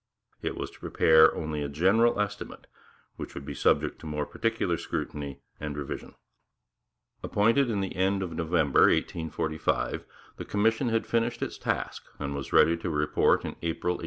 It was to prepare only a 'general estimate' which would be subject to more particular scrutiny and revision. Appointed in the end of November 1845, the commission had finished its task and was ready to report in April 1846.